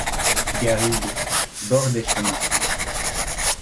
Garrigues, bords des chemins.